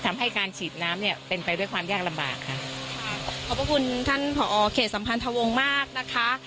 ทำให้การฉีดน้ำเนี่ยเป็นไปด้วยความยากลำบากค่ะขอบพระคุณท่านผอเขตสัมพันธวงศ์มากนะคะ